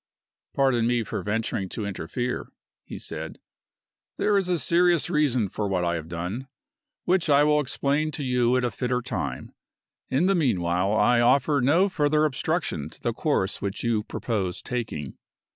"Pardon me for venturing to interfere," he said "There is a serious reason for what I have done, which I will explain to you at a fitter time. In the meanwhile I offer no further obstruction to the course which you propose taking.